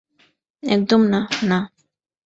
একদম না, না।